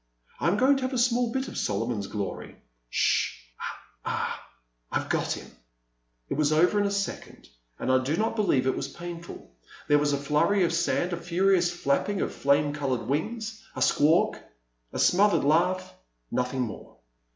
I *m going to have a small bit of Solo mon's glory— sh — h ! ah ! I 've got him !" It was over in a second, and I do not believe it was painful. There was a flurry of sand, a furi ous flapping of flame coloured wings, a squawk ! a smothered laugh — ^nothing more.